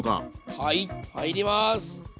はい入ります！